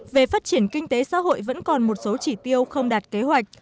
về phát triển kinh tế xã hội vẫn còn một số chỉ tiêu không đạt kế hoạch